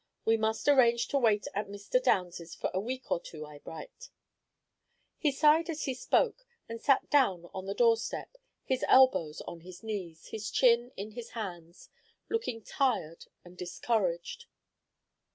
We must arrange to wait at Mr. Downs's for a week or two, Eyebright." He sighed as he spoke, and sat down on the door step, his elbows on his knees, his chin in his hands, looking tired and discouraged.